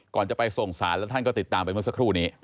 ก่อนจะไปส่งสารแล้วท่านก็ติดตามไปเมื่อสักครู่นี้